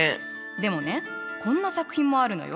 でもねこんな作品もあるのよ。